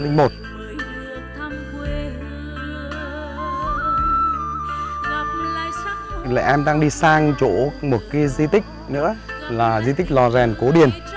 lại em đang đi sang chỗ một cái di tích nữa là di tích lò rèn cố điền